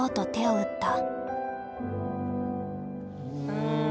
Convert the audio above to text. うん。